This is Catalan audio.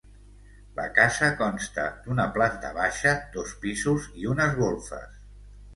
La casa consta d'una planta baixa, dos pisos i unes golfes.